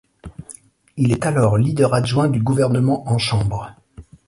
Il est alors Leader-adjoint du gouvernement en Chambre.